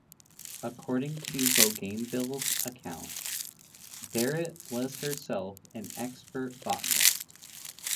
According to Bougainville's account, Baret was herself an expert botanist.